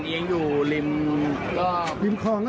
จึงไม่ได้เอดในแม่น้ำ